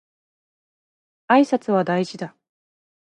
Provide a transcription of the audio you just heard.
挨拶は大事だ